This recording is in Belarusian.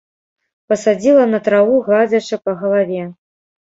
Пасадзіла на траву, гладзячы па галаве.